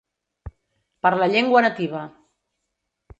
Per la llengua nativa!